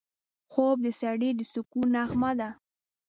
خوب د سړي د سکون نغمه ده